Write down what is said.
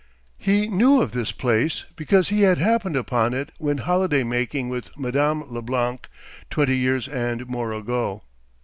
He knew of this place, because he had happened upon it when holiday making with Madame Leblanc twenty years and more ago.